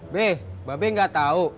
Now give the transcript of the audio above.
be babbe gak tau